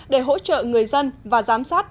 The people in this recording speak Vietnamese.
để hỗ trợ người dân và giám sát